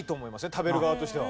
食べる側としては。